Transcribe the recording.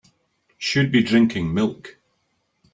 Should be drinking milk.